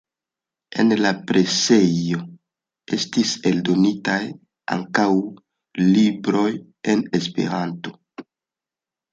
En la presejo estis eldonitaj ankaŭ libroj en Esperanto.